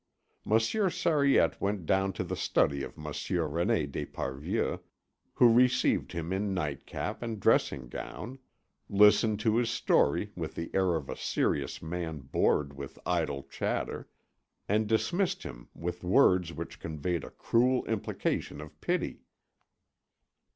Monsieur Sariette went down to the study of Monsieur René d'Esparvieu, who received him in nightcap and dressing gown, listened to his story with the air of a serious man bored with idle chatter, and dismissed him with words which conveyed a cruel implication of pity.